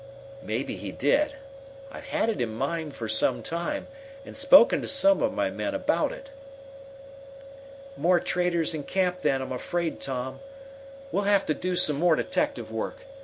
"Maybe he did. I've had it in mind for some time, and spoken to some of my men about it." "More traitors in camp, then, I'm afraid, Tom. We'll have to do some more detective work.